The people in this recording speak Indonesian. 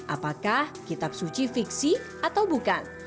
apakah kitab suci fiksi atau bukan